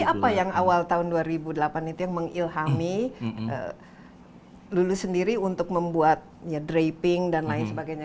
apa yang awal tahun dua ribu delapan itu yang mengilhami lulus sendiri untuk membuat draping dan lain sebagainya